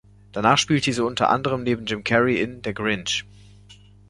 Danach spielte sie unter anderem neben Jim Carrey in "Der Grinch".